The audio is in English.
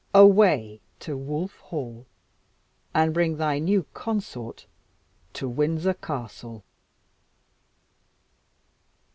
Away to Wolff Hall, and bring thy new consort to Windsor Castle!"